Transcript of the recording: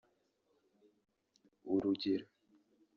urugero